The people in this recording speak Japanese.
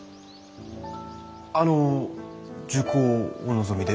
あの受講をお望みで？